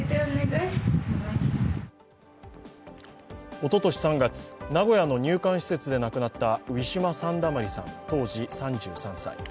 おととし３月、名古屋の入管施設で亡くなったウィシュマ・サンダマリさん当時３３歳。